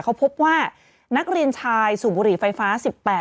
เขาพบว่านักเรียนชายสูบบุหรี่ไฟฟ้า๑๘